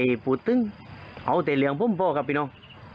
หิวปู่ตึงเอาแต่แล้วเรียงผมบอกครับพี่น้อง